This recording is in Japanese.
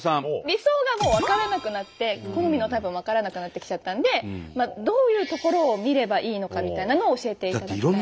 理想がもう分からなくなって好みのタイプも分からなくなってきちゃったんでどういうところを見ればいいのかみたいなのを教えていただきたい。